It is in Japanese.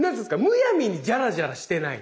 むやみにジャラジャラしてない。